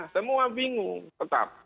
semua bingung tetap